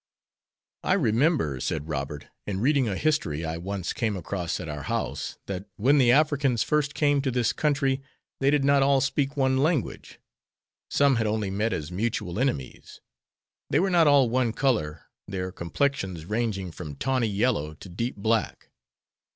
"I remember," said Robert, "in reading a history I once came across at our house, that when the Africans first came to this country they did not all speak one language. Some had only met as mutual enemies. They were not all one color, their complexions ranging from tawny yellow to deep black."